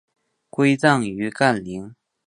归葬于干陵。